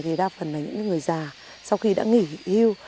thì đa phần là những người già sau khi đã nghỉ hưu